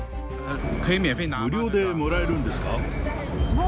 無料でもらえるんですか？